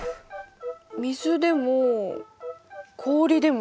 水でも氷でもない。